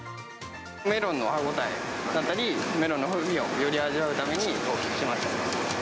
メロンの歯応えの中に、メロンの風味をより味わうために大きくしました。